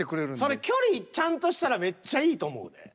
それ距離ちゃんとしたらめっちゃいいと思うで。